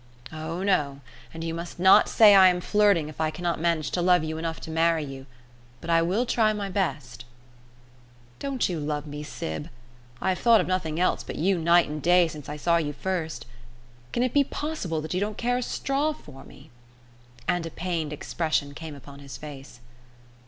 "Oh no; and you must not say I am flirting if I cannot manage to love you enough to marry you, but I will try my best." "Don't you love me, Syb? I have thought of nothing else but you night and day since I saw you first. Can it be possible that you don't care a straw for me?" and a pained expression came upon his face.